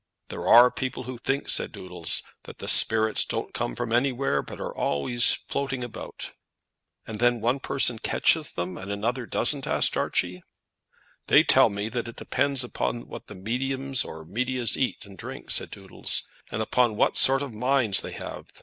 "There are people who think," said Doodles, "that the spirits don't come from anywhere, but are always floating about." "And then one person catches them, and another doesn't?" asked Archie. "They tell me that it depends upon what the mediums or medias eat and drink," said Doodles, "and upon what sort of minds they have.